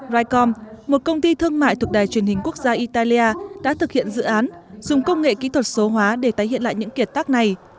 rycom một công ty thương mại thuộc đài truyền hình quốc gia italia đã thực hiện dự án dùng công nghệ kỹ thuật số hóa để tái hiện lại những kiệt tác này